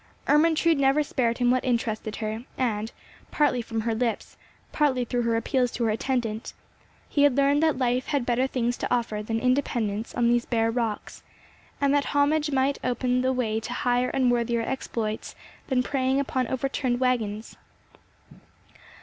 Ermentrude never spared him what interested her; and, partly from her lips, partly through her appeals to her attendant, he had learnt that life had better things to offer than independence on these bare rocks, and that homage might open the way to higher and worthier exploits than preying upon overturned waggons.